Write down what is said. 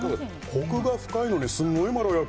コクが深いのに、すっごいまろやか。